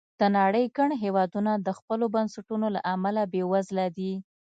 د نړۍ ګڼ هېوادونه د خپلو بنسټونو له امله بېوزله دي.